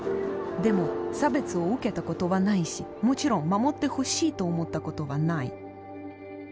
でも差別を受けたことはないしもちろん守ってほしいと思ったことはない。